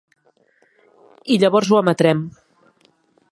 I llavors ho emetrem.